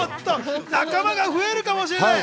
仲間が増えるかもしれない。